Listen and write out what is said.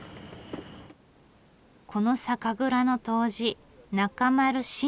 この酒蔵の杜氏中丸信さん。